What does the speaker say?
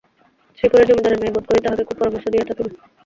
শ্রীপুরের জমিদারের মেয়ে বােধ করি তাহাকে কুপরামর্শ দিয়া থাকিবে।